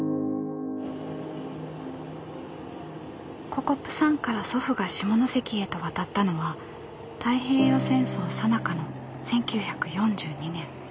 ここプサンから祖父が下関へと渡ったのは太平洋戦争さなかの１９４２年。